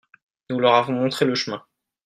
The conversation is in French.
nous leur avons montré le chemin.